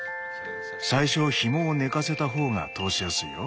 最初ひもを寝かせた方が通しやすいよ。